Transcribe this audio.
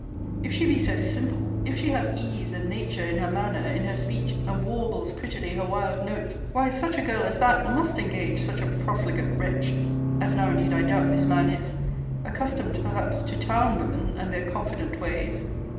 If she be so simple, if she have ease and nature in her manner, in her speech, and warbles prettily her wild notes, why, such a girl as that must engage such a profligate wretch, (as now indeed I doubt this man is,) accustomed, perhaps, to town women, and their confident ways.